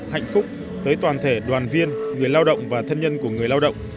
hạnh phúc tới toàn thể đoàn viên người lao động và thân nhân của người lao động